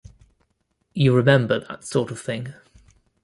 You remember that sort of thing.